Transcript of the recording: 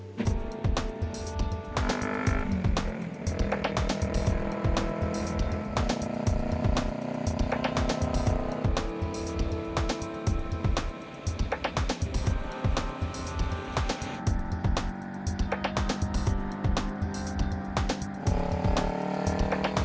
nanti yaa bercanda